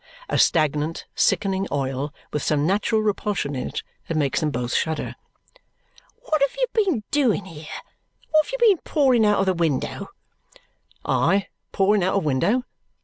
A stagnant, sickening oil with some natural repulsion in it that makes them both shudder. "What have you been doing here? What have you been pouring out of window?" "I pouring out of window!